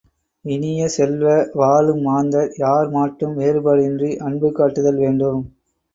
இனிய செல்வ, வாழும் மாந்தர் யார் மாட்டும் வேறுபாடின்றி அன்பு காட்டுதல் வேண்டும்.